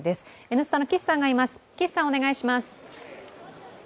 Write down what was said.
「Ｎスタ」の岸さんがいます。